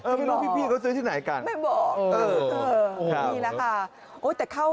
เออไม่รู้พี่ของเขาซื้อที่ไหนกัน